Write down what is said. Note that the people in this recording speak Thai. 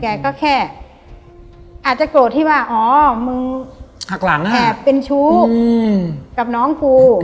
แกก็แค่อาจจะโกรธที่ว่าอ๋อมึงหักหลังแอบเป็นชู้กับน้องกู